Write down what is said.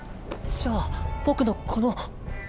じゃあ僕のこの。